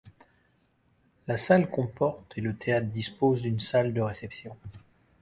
La salle comporte et le théâtre dispose d'une salle de répétition.